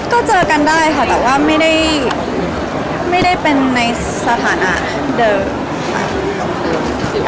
ก็เจอกันได้ค่ะแต่ว่าไม่ได้เป็นในสถานะเดิมค่ะ